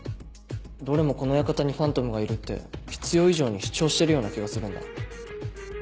どれもこの館にファントムがいるって必要以上に主張してるような気がするんだ。